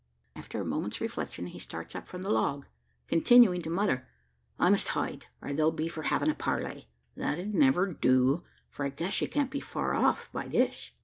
After a moment's reflection, he starts up from the log, continuing to mutter: "I must hide, or they'll be for havin' a parley. That 'ud never do, for I guess she can't be far off by this.